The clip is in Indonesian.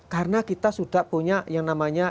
karena kita sudah punya